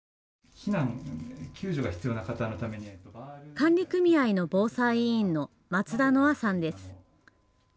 管理組合の防災委員の松田能亜さんです。